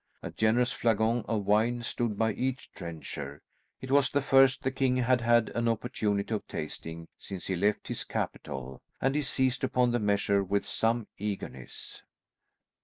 A generous flagon of wine stood by each trencher; it was the first the king had had an opportunity of tasting since he left his capital, and he seized upon the measure with some eagerness.